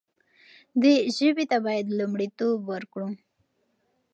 دې ژبې ته باید لومړیتوب ورکړو.